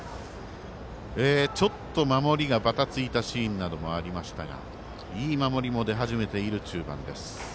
ちょっと守りがばたついたシーンなどもありましたがいい守りも出始めている中盤です。